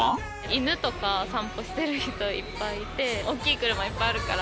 犬とか散歩してる人いっぱいいて大っきい車いっぱいあるから。